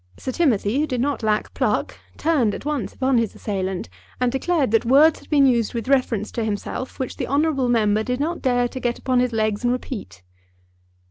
Sir Timothy, who did not lack pluck, turned at once upon his assailant, and declared that words had been used with reference to himself which the honourable member did not dare to get upon his legs and repeat.